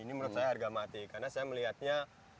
ini menurut saya harga mati karena saya melihatnya